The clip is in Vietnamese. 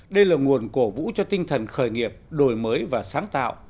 đây là nguồn cổ vũ cho tinh thần khởi nghiệp đổi mới và sáng tạo